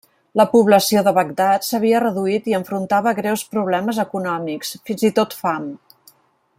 La població de Bagdad s'havia reduït i enfrontava greus problemes econòmics, fins i tot fam.